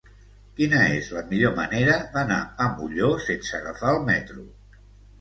Quina és la millor manera d'anar a Molló sense agafar el metro?